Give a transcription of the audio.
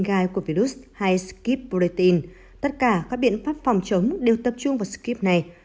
gai của virus hay skip protein tất cả các biện pháp phòng chống đều tập trung vào skip này